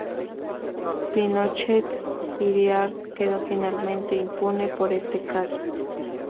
Pinochet Hiriart quedó finalmente impune por este caso.